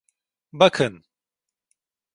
Bakın!